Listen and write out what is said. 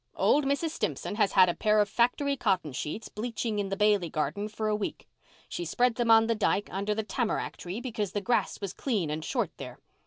"Old Mrs. Stimson has had a pair of factory cotton sheets bleaching in the Bailey garden for a week. She spread them on the dyke under the tamarack tree because the grass was clean and short there.